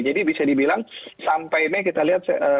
jadi bisa dibilang sampai ini kita lihat